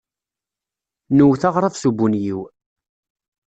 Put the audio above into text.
Nwet aɣrab s ubunyiw.